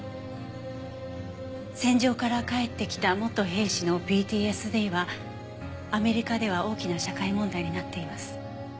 戦場から帰ってきた元兵士のＰＴＳＤはアメリカでは大きな社会問題になっています。